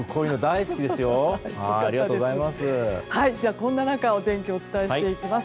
こんな中お天気をお伝えしていきます。